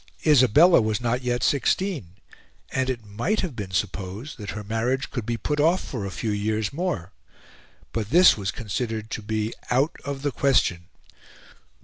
Isabella was not yet sixteen; and it might have been supposed that her marriage could be put off for a few years more; but this was considered to be out of the question.